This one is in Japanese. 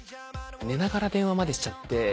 寝ながら電話までしちゃって。